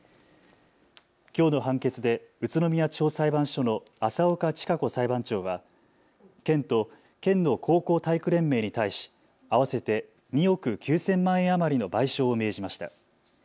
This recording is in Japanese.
きょうの判決で宇都宮地方裁判所の浅岡千香子裁判長は県と県の高校体育連盟に対し合わせて２億９０００万円余りの賠償を命じました。